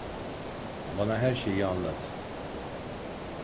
Bana her şeyi anlat.